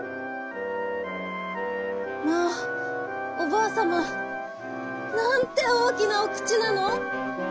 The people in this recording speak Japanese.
「まあおばあさまなんておおきなおくちなの？」。